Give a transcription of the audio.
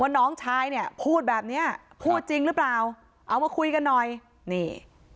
น้องชายเนี่ยพูดแบบเนี้ยพูดจริงหรือเปล่าเอามาคุยกันหน่อยนี่